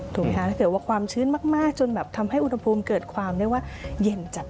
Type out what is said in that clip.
ถือว่าความชื้นมากจนทำให้อุณหภูมิเกิดความเย็นจับ